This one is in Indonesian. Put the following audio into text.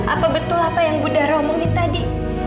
apa betul apa yang budara omongin tadi